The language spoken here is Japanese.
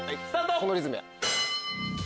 このリズム。